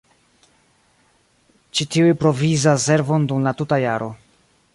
Ĉi tiuj provizas servon dum la tuta jaro.